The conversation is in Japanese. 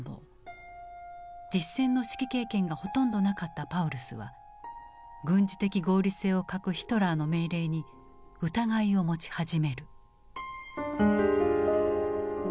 実戦の指揮経験がほとんどなかったパウルスは軍事的合理性を欠くヒトラーの命令に疑いを持ち始める。